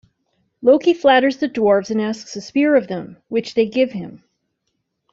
Loki flatters the Dwarves and asks the Spear of them, which they give him.